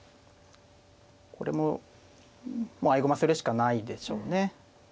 これももう合駒するしかないでしょうね。